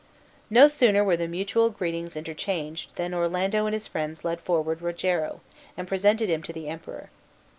No sooner were the mutual greetings interchanged, than Orlando and his friends led forward Rogero, and presented him to the Emperor.